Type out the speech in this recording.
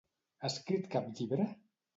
Ha escrit cap llibre?